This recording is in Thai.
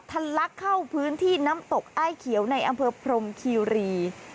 ลักเข้าพื้นที่น้ำตกอ้ายเขียวในอำเภอพรมคีรี